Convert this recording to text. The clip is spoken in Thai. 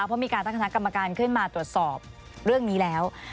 เพราะมีการตั้งคณะกรรมการขึ้นมาตรวจสอบเรื่องนี้แล้ว